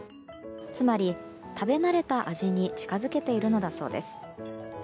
つまり、食べ慣れた味に近づけているのだそうです。